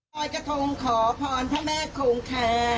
ฝ่อยกระทงขอพรไปพระแม่โครงคา